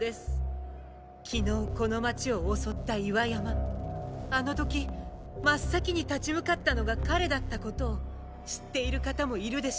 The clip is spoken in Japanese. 昨日この街を襲った岩山あの時真っ先に立ち向かったのが彼だったことを知っている方もいるでしょう。